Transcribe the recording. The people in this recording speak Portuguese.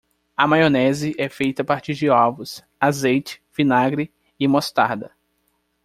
A maionese é feita a partir de ovos, azeite, vinagre e mostarda.